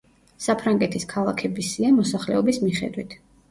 საფრანგეთის ქალაქების სია მოსახლეობის მიხედვით.